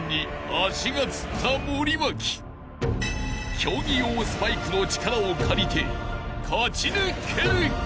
［競技用スパイクの力を借りて勝ち抜けるか！？］